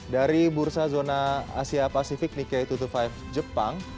dari bursa zona asia pasifik nikkei dua ratus dua puluh lima jepang